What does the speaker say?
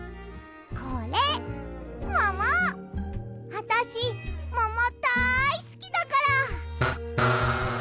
あたしももだいすきだから！